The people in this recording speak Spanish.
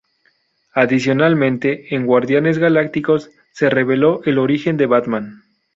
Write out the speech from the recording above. Adicionalmente, en "Guardianes galácticos" se reveló el origen de Batman.